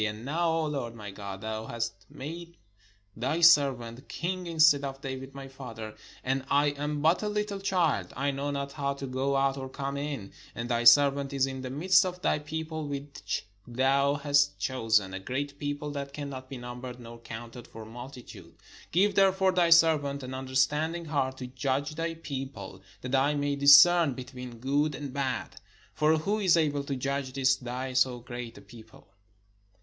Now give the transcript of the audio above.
And now, O Lord my God, thou hast made thy servant king instead of David my father: and I am but a little child: I know not how to go out or come in. And thy servant is in the midst of thy people which thou hast chosen, a great people, that cannot be numbered nor counted for mul titude. Give therefore thy servant an understanding heart to judge thy people, that I may discern between good and bad : for who is able to judge this thy so great a people?"